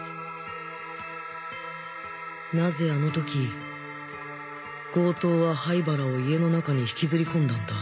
なぜあの時強盗は灰原を家の中に引きずり込んだんだ？